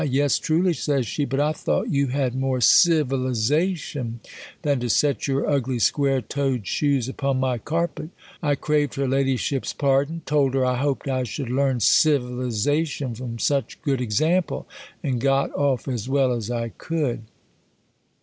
Yes, truly, says she ; but I thought you had more civ ilization, than to set your ugly, square toed shoes upon my carpet. I craved her ladyship's pardon ; told her I hope4 I should learn ^iYdizaiion from such good ex ample J ar; cl got off as wel! as I could.